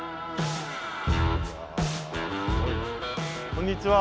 こんにちは。